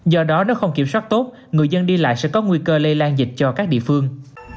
do đó nếu không kiểm soát tốt người dân đi lại sẽ có nguy cơ lây lan dịch cho các địa phương